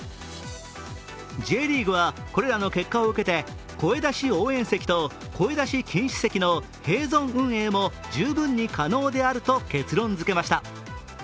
Ｊリーグはこれらの結果を受けて声出し応援席と声出し禁止席の併存運営も十分に可能であると結論づけました。